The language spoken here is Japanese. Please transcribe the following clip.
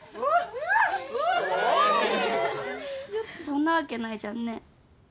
そんなわけないじゃんね。